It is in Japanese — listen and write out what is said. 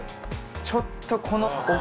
ちょっとこの。